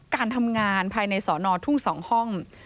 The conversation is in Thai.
การทำงานภายในสอนอทุ่ง๒ห้อง